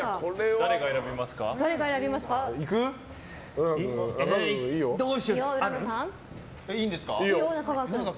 誰が選びますか？